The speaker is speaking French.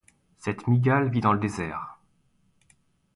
Cette mygale vit dans le désert.